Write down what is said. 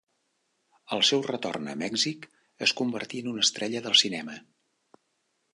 Al seu retorn a Mèxic es convertí en una estrella del cinema.